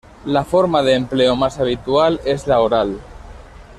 La forma de empleo más habitual es la oral.